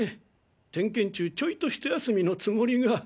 点検中ちょいとひと休みのつもりが。